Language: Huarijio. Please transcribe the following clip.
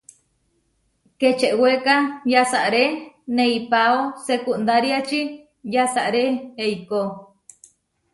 Kečewéka yasaré neipáo sekundáriači, yasaré eikó.